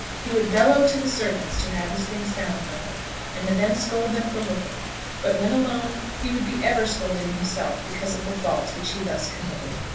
He would bellow to the servants to have his things found for him, and would then scold them for looking. But when alone he would be ever scolding himself because of the faults which he thus committed.